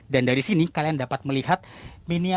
dan dari sini kalian dapat melihat miniaturnya